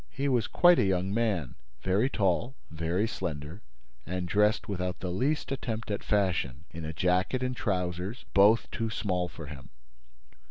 He was quite a young man, very tall, very slender and dressed without the least attempt at fashion, in a jacket and trousers both too small for him.